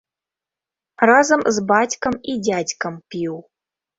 Разам з бацькам і дзядзькам піў.